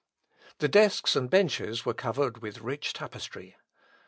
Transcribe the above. The desks and benches were covered with rich tapestry.